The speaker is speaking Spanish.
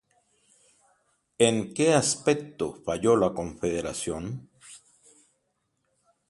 ¿En qué aspecto fallo la Confederación?